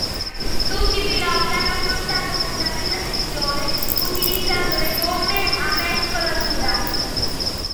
Tutti i piloti hanno affrontato questa prima sessione utilizzando le gomme a mescola dura.